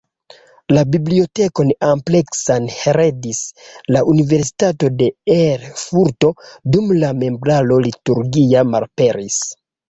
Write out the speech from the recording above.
La bibliotekon ampleksan heredis la Universitato de Erfurto, dume la meblaro liturgia malaperis.